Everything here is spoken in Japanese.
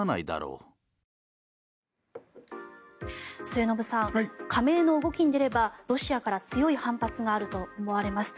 末延さん加盟の動きに出ればロシアから強い反発があると思われます。